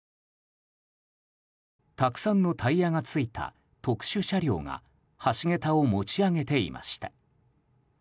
たくさんのタイヤがついた特殊車両が橋桁を持ち上げていました。